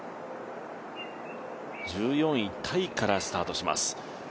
１４位タイからスタートします。